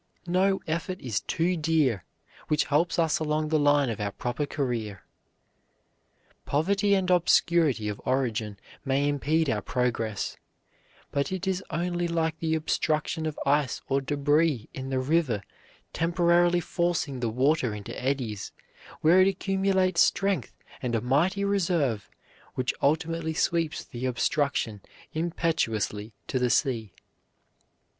No effort is too dear which helps us along the line of our proper career. Poverty and obscurity of origin may impede our progress, but it is only like the obstruction of ice or débris in the river temporarily forcing the water into eddies, where it accumulates strength and a mighty reserve which ultimately sweeps the obstruction impetuously to the sea.